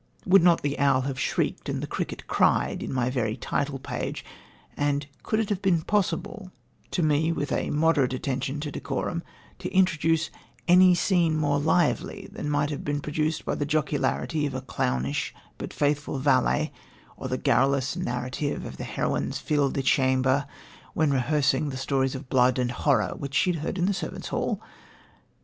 Would not the owl have shrieked and the cricket cried in my very title page? and could it have been possible to me with a moderate attention to decorum to introduce any scene more lively than might be produced by the jocularity of a clownish but faithful valet or the garrulous narrative of the heroine's fille de chambre, when rehearsing the stories of blood and horror which she had heard in the servant's hall?